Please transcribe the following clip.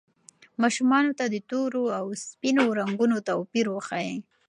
ماشومانو ته د تورو او سپینو رنګونو توپیر وښایئ.